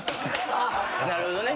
なるほどね。